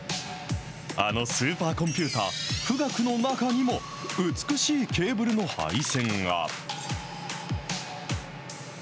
あのスーパーコンピューター、富岳の中にも美しいケーブルの配線が。